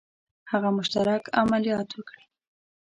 هغه مشترک عملیات وکړي.